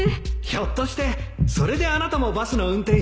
ひょっとしてそれであなたもバスの運転手に？